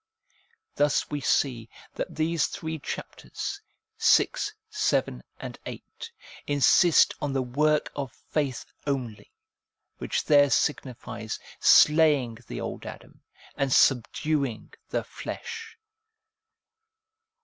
Thus we see that these three chapters, vi., vii., viii., insist on the work of faith only, which there signifies slaying the old Adam, and subduing the flesh.